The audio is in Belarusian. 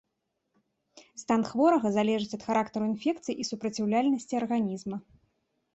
Стан хворага залежыць ад характару інфекцыі і супраціўляльнасці арганізма.